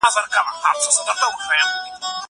زه به اوږده موده د ښوونځی لپاره امادګي نيولی وم!!